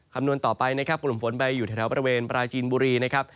คำนวณต่อไปนะครับกลุ่มฝนไปอยู่แถวบริเวณปราจีนบุรีนะครับ